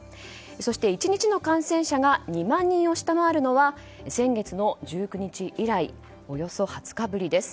そして１日の感染者が２万人を下回るのは先月の１９日以来およそ２０日ぶりです。